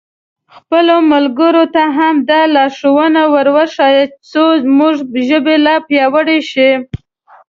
خپلو ملګرو ته هم دا لارښوونې ور وښیاست څو زموږ ژبه لا پیاوړې شي.